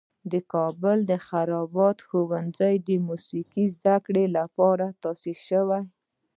د کابل د خراباتو ښوونځی د موسیقي زده کړې لپاره تاسیس شو.